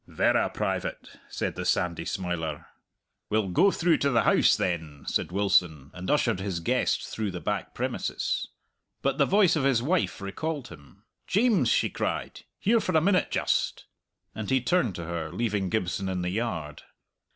"Verra private," said the sandy smiler. "We'll go through to the house, then," said Wilson, and ushered his guest through the back premises. But the voice of his wife recalled him. "James!" she cried. "Here for a minute just," and he turned to her, leaving Gibson in the yard.